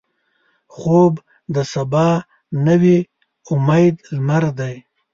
خوب د سبا نوې امیدي لمر دی